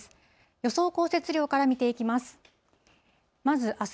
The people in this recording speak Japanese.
予想降雪量から見ていきます。